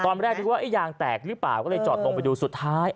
ตอนแรกนึกว่ายางแตกหรือเปล่าก็เลยจอดลงไปดูสุดท้าย